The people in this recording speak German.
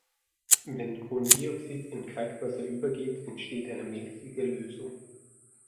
Wenn Kohlendioxid in Kalkwasser übergeht, entsteht eine milchige Lösung.